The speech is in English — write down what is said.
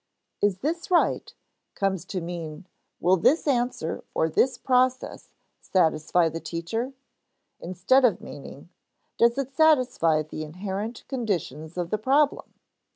"Is this right?" comes to mean "Will this answer or this process satisfy the teacher?" instead of meaning, "Does it satisfy the inherent conditions of the problem?"